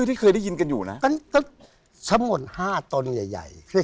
ไม่ใช่นารายครับ